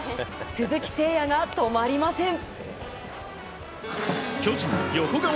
鈴木誠也が止まりません。